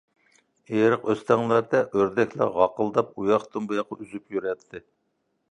ئېرىق-ئۆستەڭلەردە ئۆردەكلەر غاقىلداپ، ئۇياقتىن-بۇياققا ئۈزۈپ يۈرەتتى.